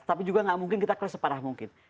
tapi juga nggak mungkin kita kelas separah mungkin